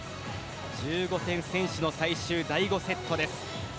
１５点先取の最終第５セットです。